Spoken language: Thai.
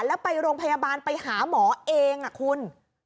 แล้วไปโรงพยาบาลไปหาหมอเองคุณ